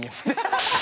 ハハハハ！